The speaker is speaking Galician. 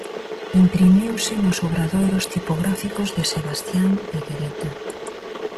Imprimiuse nos obradoiros tipográficos de Sebastián Iguereta.